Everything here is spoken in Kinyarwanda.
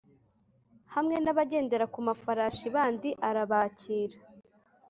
hamwe n’abagendera ku mafarashi bandi arabakira